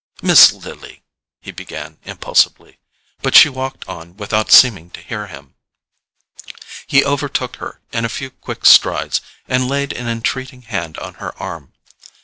"Miss Lily——" he began impulsively; but she walked on without seeming to hear him. He overtook her in a few quick strides, and laid an entreating hand on her arm.